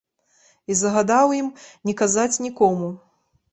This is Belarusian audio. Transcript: І загадаў ім не казаць нікому.